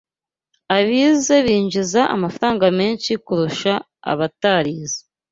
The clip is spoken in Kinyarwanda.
Abize binjiza amafaranga menshi kurusha abatarize